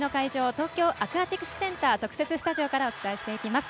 東京アクアティクスセンター特設スタジオよりお伝えしていきます。